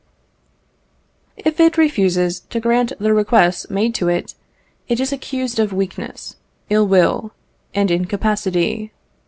If it refuses to grant the requests made to it, it is accused of weakness, ill will, and incapacity.